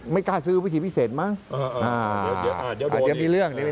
ไม่กล้าซื้อวิธีพิเศษมั้งเดี๋ยวมีเรื่องอีก